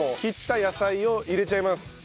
切った野菜を入れちゃいます。